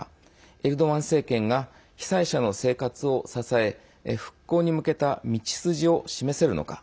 エルドアン政権が被災者の生活を支え復興に向けた道筋を示せるのか。